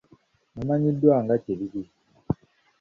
Bumanyiddwa nga kiriri.